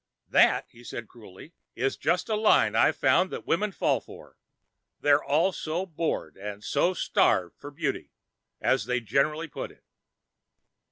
"That," he said cruelly, "is just a line I've found that women fall for. They're all so bored and so starved for beauty as they generally put it."